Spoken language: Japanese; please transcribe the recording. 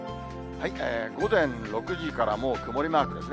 午前６時からもう曇りマークですね。